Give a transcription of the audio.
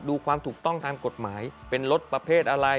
ความถูกต้องทางกฎหมายเป็นรถประเภทอะไร